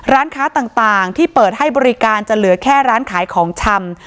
ร้านค้าต่างที่เปิดให้บริการจะเหลือแค่ร้านขายของชำ